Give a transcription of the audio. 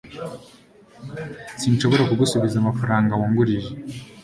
sinshobora kugusubiza amafaranga wangurije